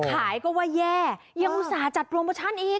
ขายก็ว่าแย่ยังอุตส่าห์จัดโปรโมชั่นอีก